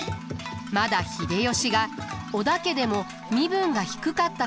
まだ秀吉が織田家でも身分が低かった頃だと考えられます。